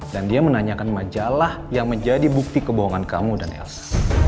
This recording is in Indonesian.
dan dia menanyakan majalah yang menjadi bukti kebohongan kamu dan elsa